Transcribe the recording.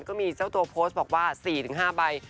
ก็มีเจ้าตัวโพสต์บอกว่า๔๕ใบ